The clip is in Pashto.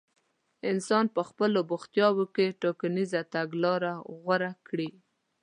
انسان په خپلو بوختياوو کې ټاکنيزه تګلاره غوره کړي.